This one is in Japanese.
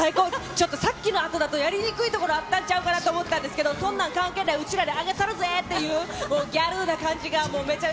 ちょっとさっきのあとだと、やりにくいところあったんちゃうかなと思ったんですけど、そんなん関係ない、うちらで上げたるでーっていう、もうギャルな感じがもうめちゃ。